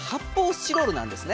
スチロールなんですね。